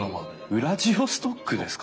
ウラジオストックですか！？